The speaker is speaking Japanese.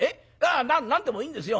ああ何でもいいんですよ。